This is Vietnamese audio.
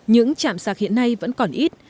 những chạm sạc hiện nay vẫn còn ít